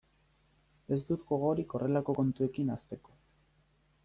Ez dut gogorik horrelako kontuekin hasteko.